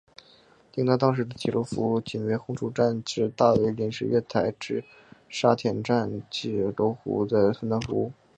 令到当时的铁路服务仅为红磡站至大围临时月台及沙田站至罗湖站的分段服务。